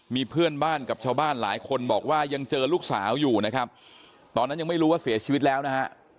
มีเพื่อนบ้านกับชาวบ้านหลายคนบอกว่ายังเจอลูกสาวอยู่นะครับตอนนั้นยังไม่รู้ว่าเสียชีวิตแล้วนะฮะ